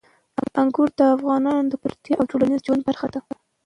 انګور د افغانانو د ګټورتیا او ټولنیز ژوند برخه ده.